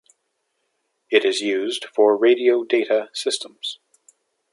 It is used for radio data systems.